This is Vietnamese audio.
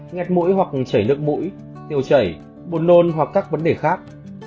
nghẹt mũi hoặc chảy nước mũi tiêu chảy buồn nôn hoặc các vấn đề khác